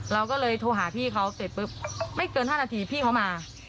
เราก็เลยโทรหาพี่เขาเสร็จปุ๊บไม่เกิน๕นาทีพี่เขามา